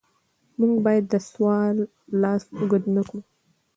موږ باید د سوال لاس اوږد نکړو.